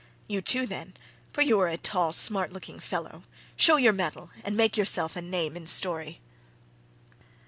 You too, then—for you are a tall smart looking fellow—show your mettle and make yourself a name in story."